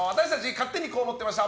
勝手にこう思ってました！